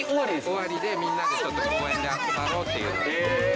終わりでみんなで公園で集まろうっていうので。